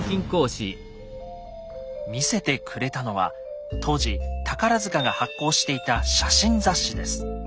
見せてくれたのは当時宝が発行していた写真雑誌です。